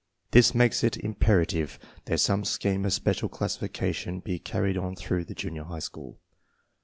This makes it im perative that some scheme of special classification be carried on through the junior high school.